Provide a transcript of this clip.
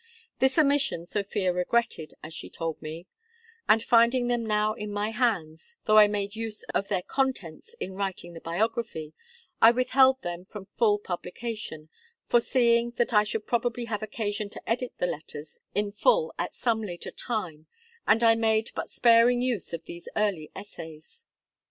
This omission Sophia regretted, as she told me; and finding them now in my hands, though I made use of their contents in writing the biography, I withheld them from full publication, foreseeing that I should probably have occasion to edit the letters in full at some later time; and I made but sparing use of the early essays.